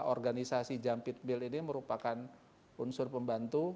organisasi jampit mil ini merupakan unsur pembantu